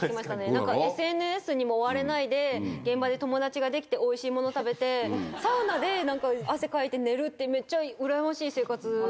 なんか、ＳＮＳにも追われないで、現場で友達が出来て、おいしいもの食べて、サウナでなんか汗かいて寝るって、めっちゃ羨ましい生活。